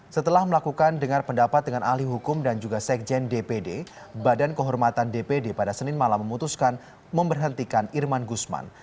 setelah melakukan dengar pendapat dengan ahli hukum dan juga sekjen dpd badan kehormatan dpd pada senin malam memutuskan memberhentikan irman gusman